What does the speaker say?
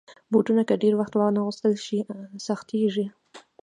بوټونه که ډېر وخته وانهغوستل شي، سختېږي.